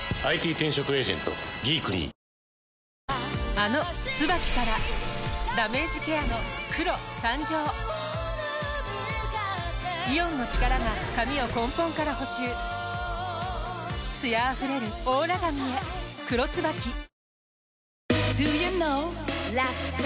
あの「ＴＳＵＢＡＫＩ」からダメージケアの黒誕生イオンの力が髪を根本から補修艶あふれるオーラ髪へ「黒ＴＳＵＢＡＫＩ」Ｄｏｙｏｕｋｎｏｗラクサ？